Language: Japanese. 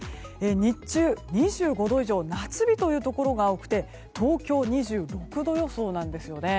日中、２５度以上の夏日というところが多くて東京、２６度予想なんですよね。